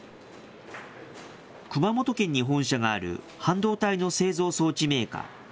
熊本県に本社がある半導体の製造装置メーカー。